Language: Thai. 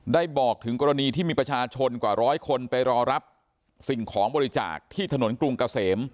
บอกถึงกรณีที่มีประชาชนกว่าร้อยคนไปรอรับสิ่งของบริจาคที่ถนนกรุงเกษม